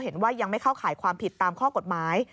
เห็นว่ายังไม่เข้าข่ายความผิดตามข้อกฎหมาย